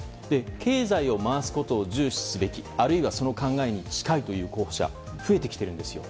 経済を回すことを重視すべきあるいは、その考えに近いという候補者が増えてきてるんですよ。